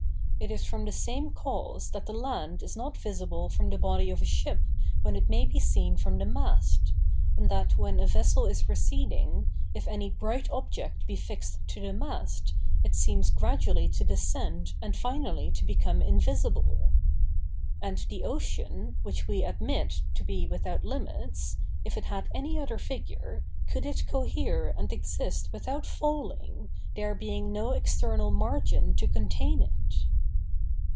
It is from the same cause that the land is not visible from the body of a ship when it may be seen from the mast; and that when a vessel is receding, if any bright object be fixed to the mast, it seems gradually to descend and finally to become invisible. And the ocean, which we admit to be without limits, if it had any other figure, could it cohere and exist without falling, there being no external margin to contain it?